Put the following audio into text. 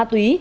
là ma túy